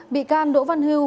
bị can đỗ văn hưu